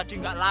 keren banget ya